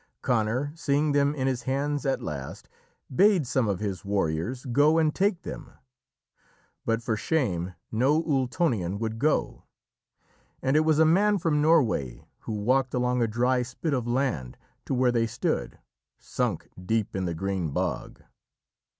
Conor, seeing them in his hands at last, bade some of his warriors go and take them. But for shame no Ultonian would go, and it was a man from Norway who walked along a dry spit of land to where they stood, sunk deep in the green bog.